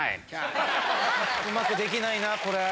うまくできないな、これ。